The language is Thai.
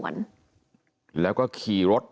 แป๊บหนึ่ง